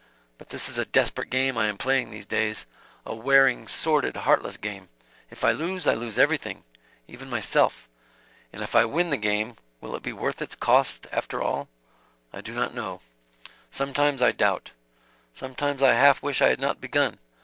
But this is a desperate game I am playing in these days a wearing, sordid, heartless game. If I lose, I lose everything even myself. And if I win the game, will it be worth its cost after all? I do not know. Sometimes I doubt. Sometimes I half wish I had not begun.